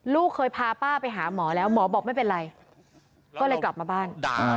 ลูกเคยพาป้าไปหาหมอแล้วหมอบอกไม่เป็นไรก็เลยกลับมาบ้าน